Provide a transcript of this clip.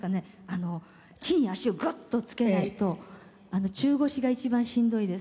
地に足をグッと着けないと中腰が一番しんどいです。